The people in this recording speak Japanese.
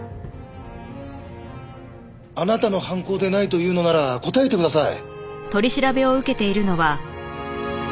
あなたの犯行でないというのなら答えてください。